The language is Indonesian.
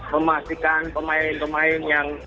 memastikan pemain pemain yang